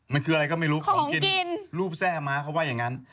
มันคืออะไรก็ไม่รู้ของกินรูปแซ่ม้าเขาว่าอย่างนั้น